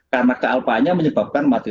karena kealpaannya menyebabkan mati